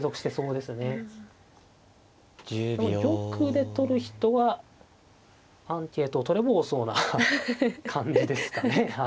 でも玉で取る人はアンケートを取れば多そうな感じですかね。